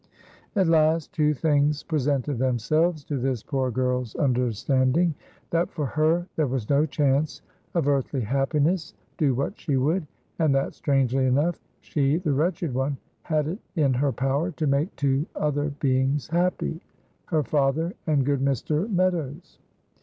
At last two things presented themselves to this poor girl's understanding; that for her there was no chance of earthly happiness, do what she would, and that, strangely enough, she the wretched one had it in her power to make two other beings happy, her father and good Mr. Meadows.